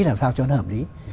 làm sao cho nó hợp lý